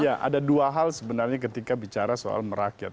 ya ada dua hal sebenarnya ketika bicara soal merakyat